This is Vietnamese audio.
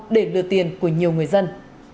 để lừa tiền của nhiều người dân